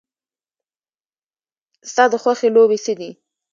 ستا د خوښې لوبې څه دي؟